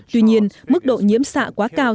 tuy nhiên mức độ nhiễm xạ quá cao